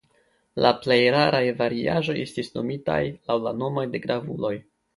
La plej raraj variaĵoj estis nomitaj laŭ la nomoj de gravuloj.